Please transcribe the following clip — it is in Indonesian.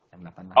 jam delapan malam